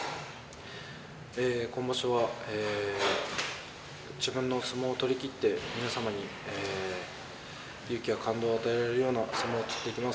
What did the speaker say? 今場所は自分の相撲を取りきって皆様に勇気や感動を与えられるような相撲を取っていきます。